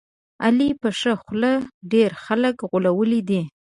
علي په ښه خوله ډېر خلک غولولي دي.